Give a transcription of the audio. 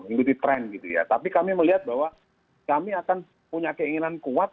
mengikuti tren gitu ya tapi kami melihat bahwa kami akan punya keinginan kuat